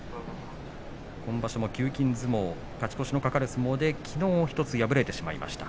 今場所も給金相撲勝ち越しの懸かる相撲できのうも１つ敗れてしまいました。